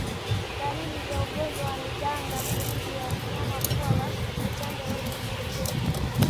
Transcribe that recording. Dalili za ugonjwa wa ndigana baridi ni mnyama kuwa na utando wenye uteute